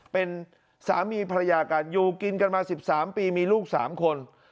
เป็นสามีภรรยากันอยู่กินกันมา๑๓ปีมีลูก๓คน